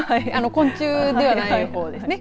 昆虫ではない方ですね。